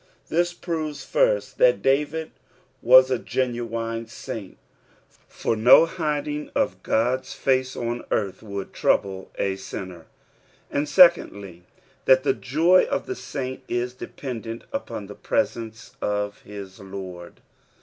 This proves, first, that David was a genuine saint, for no hiding of God's face on earth would trouble a sinner ; and, secondly, that the joy of the saint is dependent upon the presence of bis Lord.